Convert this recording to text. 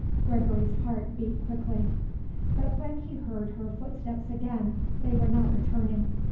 Gregory's heart beat quickly. But when he heard her footsteps again they were not returning.